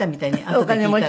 お金持ちの？